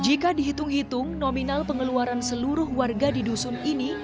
jika dihitung hitung nominal pengeluaran seluruh warga di dusun ini